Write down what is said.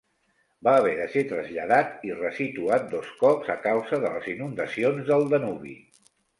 Va haver de ser traslladat i ressituat dos cops a causa de les inundacions del Danubi.